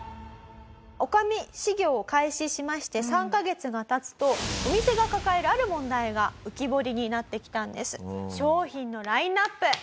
女将修業を開始しまして３カ月が経つとお店が抱えるある問題が浮き彫りになってきたんです。